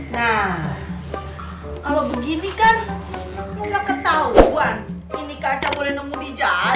nah kalau begini kan lu gak ketahuan ini kaca boleh nemu di jalan